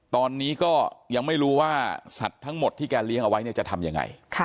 ตอนนี้ก็ยังไม่รู้ว่าสัตว์ทั้งหมดที่แกเลี้ยงเอาไว้เนี่ยจะทำยังไง